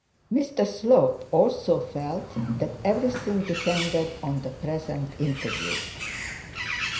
Mr Slope also felt that everything depended on the present interview.